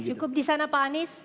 cukup di sana pak anies